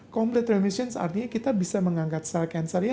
complete remission artinya kita bisa mengangkat sel sel kanker